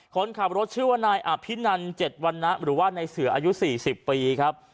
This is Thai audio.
คนขับรถชื่อว่านายอภินัน๗วันนะหรือว่าในเสืออายุ๔๐ปีครับ